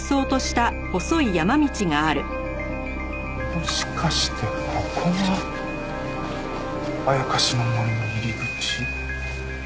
もしかしてここが妖の森の入り口？